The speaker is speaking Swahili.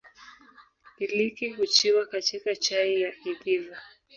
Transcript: Iliki huchiwa kachika chai ya idhiva.